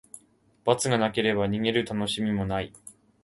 罰がなければ、逃げるたのしみもない。